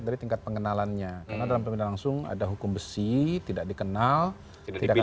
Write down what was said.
dari tingkat pengenalannya karena dalam pemilihan langsung ada hukum besi tidak dikenal tidak akan